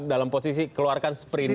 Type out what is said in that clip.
dalam posisi keluarkan seperidik